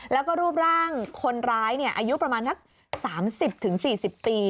แล้วก็รูปร่างคนร้ายอายุประมาณนัก๓๐๔๐ปี